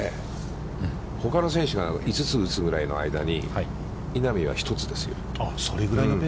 ほかの選手が５つぐらい打つ間に稲見は１つですよ。